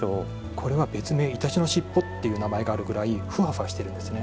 これは、別名いたちの尻尾という名前があるぐらいふわふわしているんですね。